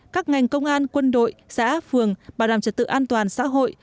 các ngành công an quân đội xã phường bảo đảm trật tự an toàn xã hội